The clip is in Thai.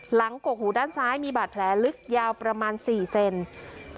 หลังโกกหูด้านซ้ายมีบาดแผลลึกยาวประมาณ๔เซนติเมตร